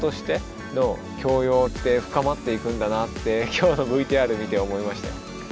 今日のＶＴＲ見て思いましたよ。